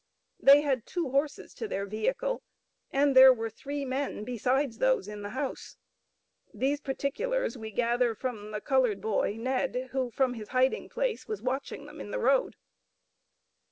They had two horses to their vehicle, and there were three men besides those in the house. These particulars we gather from the colored boy Ned, who, from his hiding place, was watching them in the road.